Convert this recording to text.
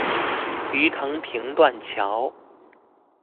魚藤坪斷橋